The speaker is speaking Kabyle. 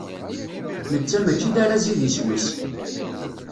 Netta mačči d arraz i d iswi-s.